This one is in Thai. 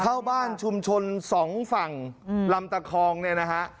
เข้าบ้านชุมชนสองฝั่งลำตะคองเนี่ยนะฮะ